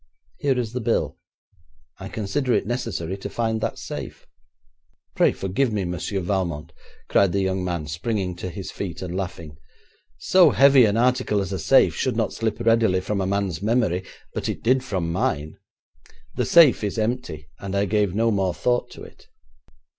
Here is the bill. I consider it necessary to find that safe.' 'Pray forgive me, Monsieur Valmont,' cried the young man, springing to his feet and laughing; 'so heavy an article as a safe should not slip readily from a man's memory, but it did from mine. The safe is empty, and I gave no more thought to it.'